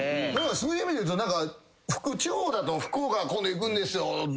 そういう意味でいうと地方だと福岡今度行くんですよ。